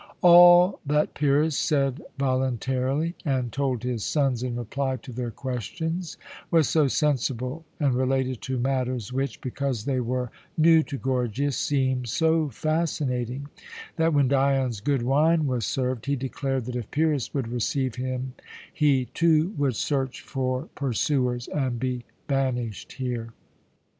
All that Pyrrhus said voluntarily and told his sons in reply to their questions was so sensible and related to matters which, because they were new to Gorgias, seemed so fascinating that, when Dion's good wine was served, he declared that if Pyrrhus would receive him he, too, would search for pursuers and be banished here.